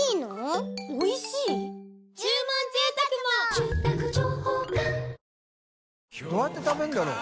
淵劵蹈漾どうやって食べるんだろう？